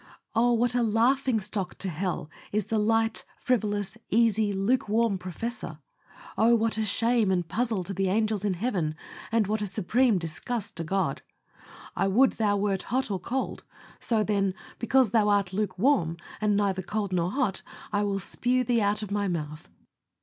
Oh! what a LAUGHING STOCK TO HELL is a light, frivolous, easy, lukewarm professor. Oh! what a shame and puzzle to the angels in Heaven, and what a supreme disgust to God. "I would thou wert cold or hot. So, then, because thou art lukewarm, and neither cold nor hot, I will spue thee out of My mouth."